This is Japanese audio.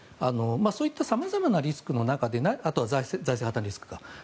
そういった様々なリスクの中であとは財政破たんリスク。